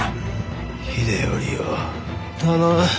秀頼を頼む。